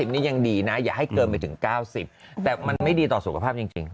นี่ยังดีนะอย่าให้เกินไปถึง๙๐แต่มันไม่ดีต่อสุขภาพจริง